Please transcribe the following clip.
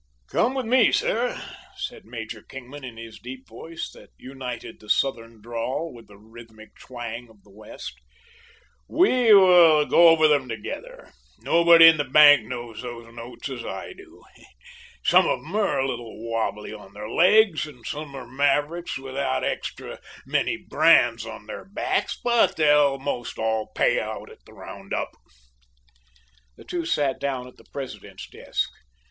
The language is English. "Come with me, sir," said Major Kingman, in his deep voice, that united the Southern drawl with the rhythmic twang of the West; "We will go over them together. Nobody in the bank knows those notes as I do. Some of 'em are a little wobbly on their legs, and some are mavericks without extra many brands on their backs, but they'll most all pay out at the round up." The two sat down at the president's desk.